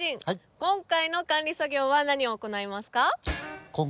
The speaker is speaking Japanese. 今回の管理作業は何を行いますか？